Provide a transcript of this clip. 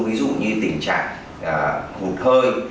ví dụ như tình trạng hụt hơi